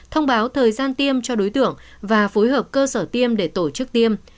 thông báo thời gian tiêm cho đối tượng và phối hợp cơ sở tiêm để tổ chức tiêm